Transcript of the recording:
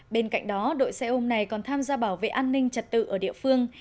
bên cạnh đó đội xe ôm này còn tham gia bảo vệ an ninh trật tự ở địa phương